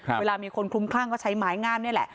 เวลามีคนคลุมคลั่งก็ใช้ไม้งามนี่แหละ